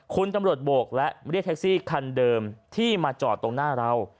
คุณตำรวจโบกและเรียกแท็กซี่คันเดิมที่มาจอดตรงหน้าเรา